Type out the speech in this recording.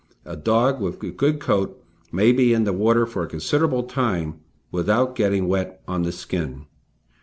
A dog with a good coat may be in the water for a considerable time without getting wet on the skin.